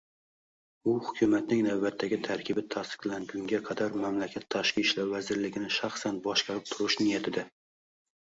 U hukumatning navbatdagi tarkibi tasdiqlangunga qadar mamlakat Tashqi ishlar vazirligini shaxsan boshqarib turish niyatida